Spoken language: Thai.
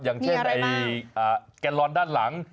อย่างเช่นแกนลอนด้านหลัง